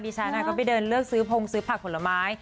ฉันก็ไปเดินเลือกซื้อพงซื้อผักผลไม้